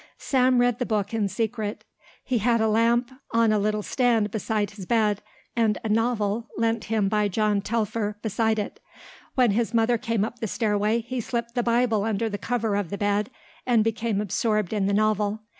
Sam read the book in secret. He had a lamp on a little stand beside his bed and a novel, lent him by John Telfer, beside it. When his mother came up the stairway he slipped the Bible under the cover of the bed and became absorbed in the novel.